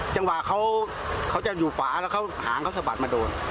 จังหวะเขาจะอยู่ฝาแล้วเขาหางเขาสะบัดมาโดน